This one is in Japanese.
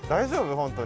本当に。